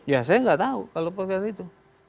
ya saya enggak tahu kalau perintah itu